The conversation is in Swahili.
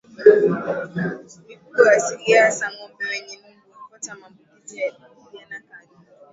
Mifugo asilia hasa ngombe wenye nundu hupata maambukizi ya ndigana kali